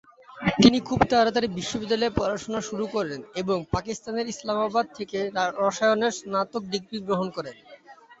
তিনি খুব তাড়াতাড়ি বিদ্যালয়ে পড়াশুনা শুরু করেন এবং পাকিস্তানের ইসলামাবাদ থেকে রসায়নে স্নাতক ডিগ্রি গ্রহণ করেন।